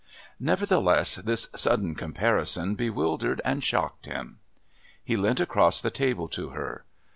Nevertheless, this sudden comparison bewildered and shocked him. He leant across the table to her.